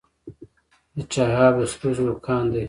د چاه اب د سرو زرو کان دی